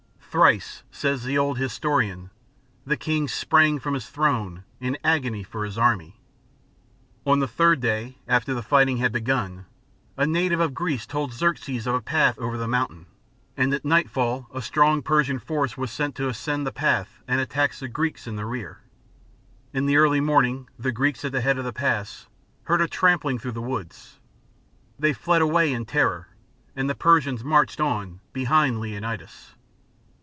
" Thrice," says the old historian, " the king sprang from his throne in agony for his army." On the third day after the fighting had begun, a native of Greece told Xerxes of a path over the mountain, and at nightfall a strong Persian force was sent to ascend the path and attack the Greeks in the rear. In the early morning the Greeks, at the head of the pass, heard a trampling through the woods. They fled away in terror and the Persia.^ marched on, behind Leonidas.